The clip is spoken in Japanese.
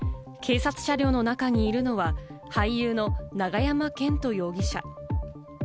警察車両の中にいるのは俳優の永山絢斗容疑者。